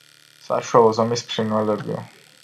საშუალო ზომის ფრინველებია.